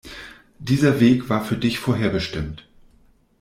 Dieser Weg war für dich vorherbestimmt.